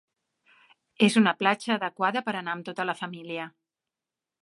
És una platja adequada per anar amb tota la família.